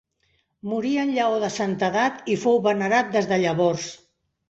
Morí en llaor de santedat i fou venerat des de llavors.